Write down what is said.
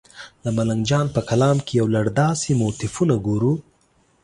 د ملنګ جان په کلام کې یو لړ داسې موتیفونه ګورو.